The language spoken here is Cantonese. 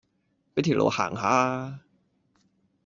俾條路行下吖